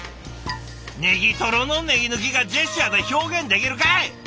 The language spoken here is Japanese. ネギトロのネギ抜きがジェスチャーで表現できるかい！